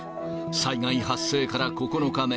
災害発生から９日目。